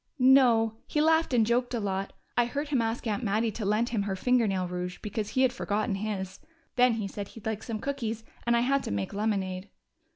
"No. He laughed and joked a lot. I heard him ask Aunt Mattie to lend him her finger nail rouge because he had forgotten his. Then he said he'd like some cookies, and I had to make lemonade."